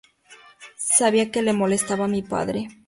Sabía que le molestaba a mi padre.